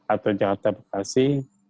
atau jakarta bekasi